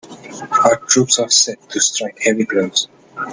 Our troops are set to strike heavy blows.